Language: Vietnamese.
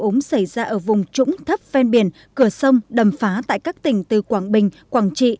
ống xảy ra ở vùng trũng thấp ven biển cửa sông đầm phá tại các tỉnh từ quảng bình quảng trị